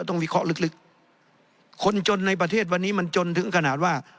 วิเคราะห์ลึกคนจนในประเทศวันนี้มันจนถึงขนาดว่า